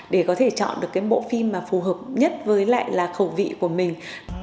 để có thể chọn được cái bộ phim mà phù hợp nhất với lại là khẩu vị của mình